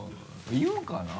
言うかな？